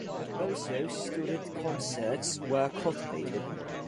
But also student concerts were cultivated.